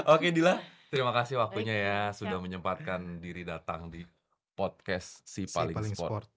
oke dila terima kasih waktunya ya sudah menyempatkan diri datang di podcast si paling sport